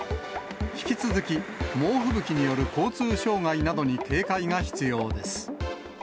引き続き、猛吹雪による交通障害などに警戒が必要です。